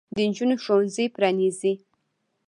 د نجونو ښوونځي پرانیزئ.